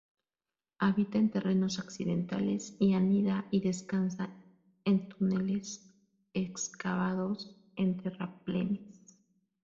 Habita en terrenos accidentales y anida y descansa en túneles excavados en terraplenes.